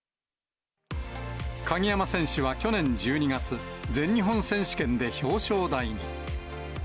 鍵山選手は去年１２月、全日本選手権で表彰台に。